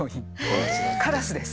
カラスです。